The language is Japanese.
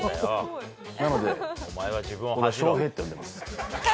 なので、翔平って呼んでます。